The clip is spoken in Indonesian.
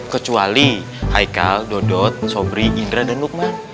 kecuali haikal dodot sobri indra dan lukman